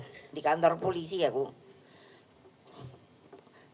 sampai gitu lho di kantor polisi ya kum